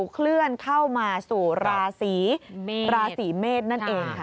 เคลื่อนเข้ามาสู่ราศีราศีเมษนั่นเองค่ะ